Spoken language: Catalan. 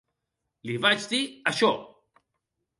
Li vaig dir això.